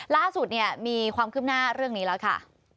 ล่าสุดเนี่ยมีความคืบหน้าเรื่องนี้แล้วค่ะ